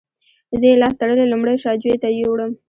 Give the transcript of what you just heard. زه یې لاس تړلی لومړی شا جوی ته یووړم.